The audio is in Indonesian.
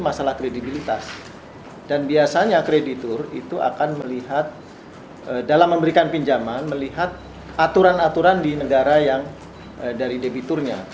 melihat aturan aturan di negara yang dari debiturnya